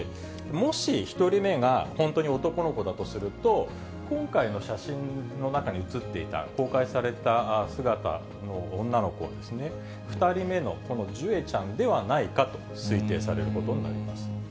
もし１人目が本当に男の子だとすると、今回の写真の中に写っていた、公開された姿の女の子はですね、２人目のこのジュエちゃんではないかと推定されることになります。